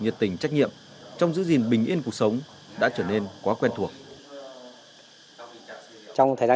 nhiệt tình trách nhiệm trong giữ gìn bình yên cuộc sống đã trở nên quá quen thuộc trong thời gian